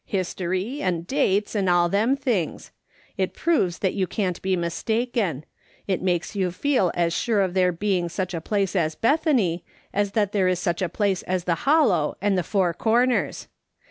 History and dates and all them things. It proves that you can't be mistaken ; it makes you feel as sure of there being such a place as Bethany as that 44 MRS. SOLOMOy SMITH LOOKING ON. there is such a place as the Hollow and the Four Corners.